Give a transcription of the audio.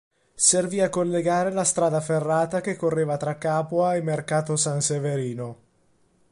Servì a collegare la strada ferrata che correva tra Capua e Mercato San Severino.